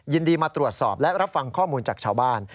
ยินดีมาตรวจสอบและรับฟังข้อมูลจากชาวบ้าน